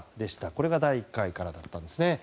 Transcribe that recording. これが第１回だったんですね。